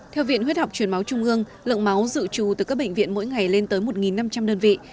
theo viện huyết học truyền máu trung ương lượng máu dự trù từ các bệnh viện mỗi ngày lên tới một năm trăm linh đơn vị